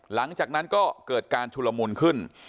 หลังจากนั้นก็เกิดการชุลมุนขึ้น